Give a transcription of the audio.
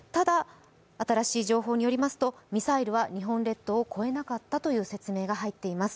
新しい情報によりますと、ミサイルは日本列島を越えなかったという説明が入っています。